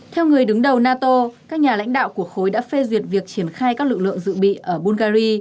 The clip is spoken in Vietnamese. theo người đứng đầu nato các nhà lãnh đạo của khối đã phê duyệt việc triển khai các lực lượng dự bị ở bungary